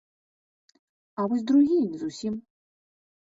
А вось другія не зусім.